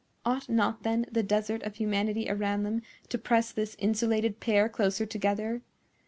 Ought not, then, the desert of humanity around them to press this insulated pair closer together?